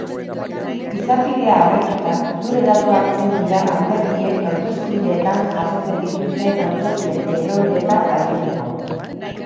Izapidea amaituta, zure datuak ez dira alderdiek hauteskundeetan jasotzen dituzten hautesle-erroldetan agertuko.